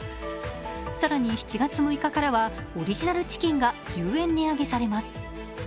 更に、７月６日からはオリジナルチキンが１０円値上げされます。